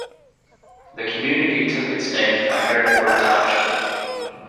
The community took its name from Hereford Township.